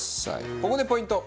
ここでポイント！